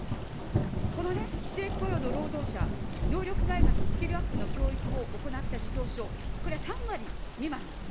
このね、非正規雇用の労働者、能力開発、スキルアップの教育を行った事業所、これは３割未満なんです。